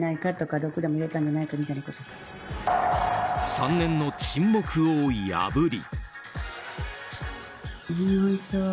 ３年の沈黙を破り。